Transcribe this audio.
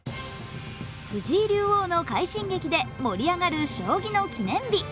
藤井竜王の快進撃で盛り上がる将棋の記念日。